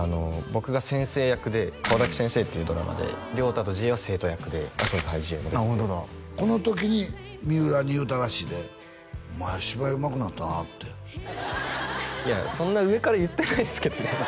僕が先生役で「顔だけ先生」っていうドラマで太と時英は生徒役で時英も出ててホントだこの時に三浦に言うたらしいで「お前芝居うまくなったな」っていやそんな上から言ってないですけどね